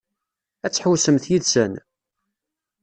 Ad tḥewwsemt yid-sen?